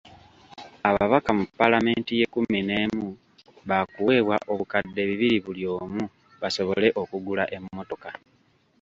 Ababaka mu Paalamenti y’ ekkumi n'emu baakuweebwa obukadde bibiri buli omu, basobole okugula emmotoka.